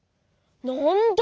なんだ？